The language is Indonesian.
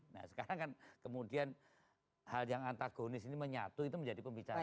nah sekarang kan kemudian hal yang antagonis ini menyatu itu menjadi pembicaraan